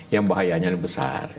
yang bahayanya lebih besar